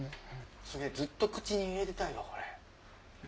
すげぇずっと口に入れてたいわこれ。